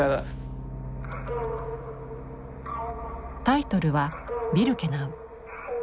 タイトルは「ビルケナウ」。